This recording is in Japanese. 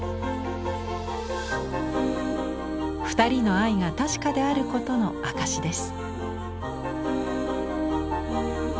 二人の愛が確かであることの証しです。